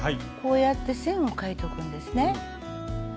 こうやって線を書いとくんですね。